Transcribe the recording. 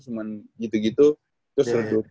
suman gitu gitu terus viserdup